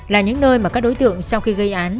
là những nơi mà các đối tượng sau khi gây án